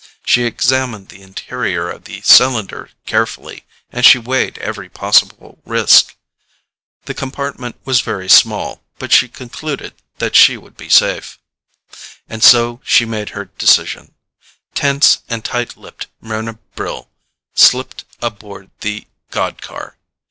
She examined the interior of the cylinder carefully and she weighed every possible risk. The compartment was very small, but she concluded that she would be safe. And so she made her decision. Tense and tight lipped Mryna Brill slipped aboard the god car.